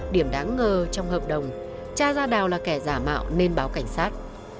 điểm đáng ngờ trong hợp đồng cha ra đào là kẻ giả mạo nên báo cảnh sát